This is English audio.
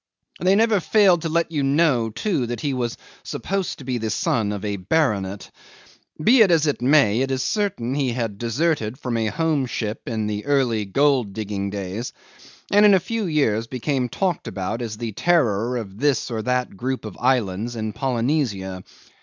They never failed to let you know, too, that he was supposed to be the son of a baronet. Be it as it may, it is certain he had deserted from a home ship in the early gold digging days, and in a few years became talked about as the terror of this or that group of islands in Polynesia.